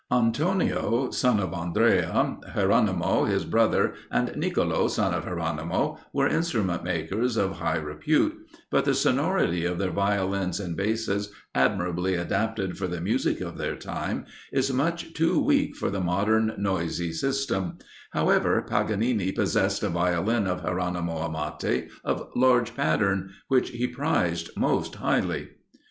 Antonio, son of Andrea, Geronimo, his brother, and Nicolo, son of Geronimo, were instrument makers of high repute, but the sonority of their Violins and Basses, admirably adapted for the music of their time, is much too weak for the modern noisy system; however, Paganini possessed a Violin of Geronimo Amati, of large pattern, which he prized most highly.